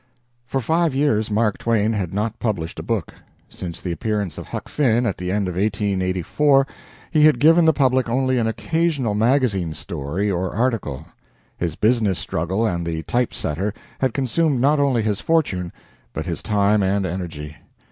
For five years Mark Twain had not published a book. Since the appearance of "Huck Finn" at the end of 1884 he had given the public only an occasional magazine story or article. His business struggle and the type setter had consumed not only his fortune, but his time and energy.